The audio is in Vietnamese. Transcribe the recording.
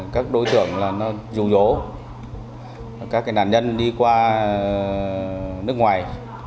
các đối tượng là nó dù dỗ các nạn nhân đi qua nước ngoài